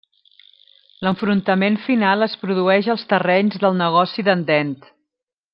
L'enfrontament final es produeix als terrenys del negoci d'en Dent.